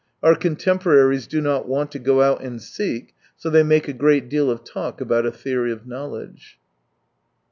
Our contemporaries do not want to go out and seek, so they make a great deal of talk about a theory of knowledge.